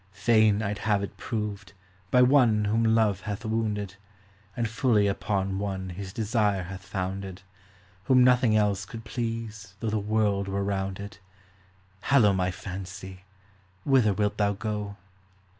Fain I 'd have it proved, by one whom love hath wounded, And fully upon one his desire hath founded, Whom nothing else could please though the world were rounded. Hallo, my fancy, whither wilt thou go